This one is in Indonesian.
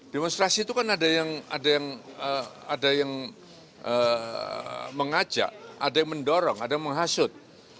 demonstrasi itu kan ada yang mengajak ada yang mendorong ada yang menghasut